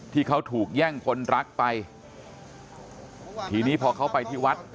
ที่เขาถูกแย่งคนรักไปทีนี้พอเขาไปที่วัด